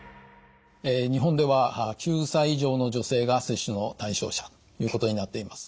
日本では９歳以上の女性が接種の対象者ということになっています。